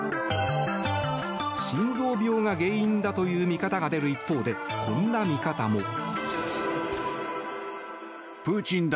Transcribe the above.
心臓病が原因だという見方が出る一方でこんな見方も。